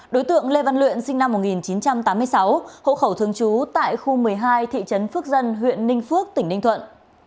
đối tượng lê văn luyện sinh năm một nghìn chín trăm tám mươi sáu hộ khẩu thường trú tại khu một mươi hai thị trấn phước dân huyện ninh phước tỉnh ninh thuận